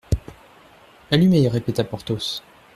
Allumez, répéta Porthos.